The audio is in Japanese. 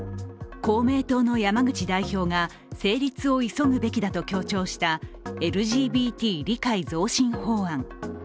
公明党の山口代表が成立を急ぐべきだと強調したＬＧＢＴ理解増進法案。